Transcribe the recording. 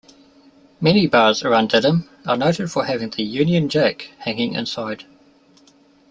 Many bars around Didim are noted for having the Union Jack hanging inside.